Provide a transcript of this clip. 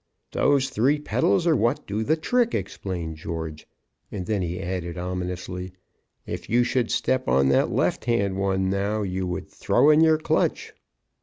"Those three pedals are what do the trick," explained George. And then he added ominously: "If you should step on that left hand one now, you would throw in your clutch."